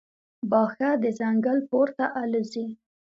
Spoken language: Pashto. باښه د ځنګل پورته الوزي.